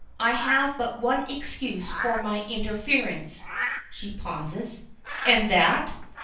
I have but one excuse for my interference" She pauses. "And that!"